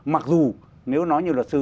mặc dù nếu nói như luật sư